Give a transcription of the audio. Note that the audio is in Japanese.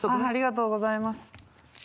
ありがとうございます。